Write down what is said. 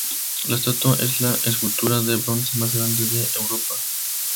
La estatua es la escultura de bronce más grande de Europa.